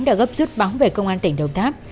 đã gấp rút báo về công an tp đông tháp